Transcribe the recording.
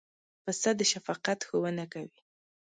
پسه د شفقت ښوونه کوي.